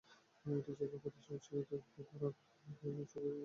এটি জায়গার প্রতি উৎসর্গীকৃত একটি ধারা, এবং ক্রনিকল হ'ল সময়কে উৎসর্গ করা ধারা।